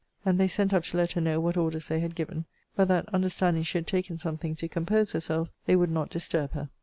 And they sent up to let her know what orders they had given: but that, understanding she had taken something to compose herself, they would not disturb her.